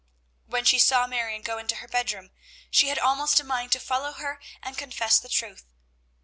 When she saw Marion go into her bedroom, she had almost a mind to follow her and confess the truth.